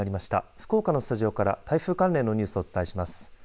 福岡のスタジオから台風関連のニュースをお伝えします。